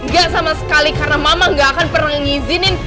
gak sama sekali karena mama gak akan pernah mengizinin